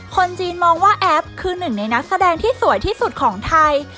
คนจีนมองว่าแอฟคือหนึ่งในนักแสดงที่สวยที่สุดของไทย